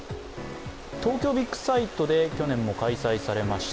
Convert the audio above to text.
東京ビックサイトで去年も開催されました